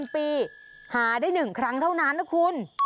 ๑ปีหาได้๑ครั้งเท่านั้นนะคุณ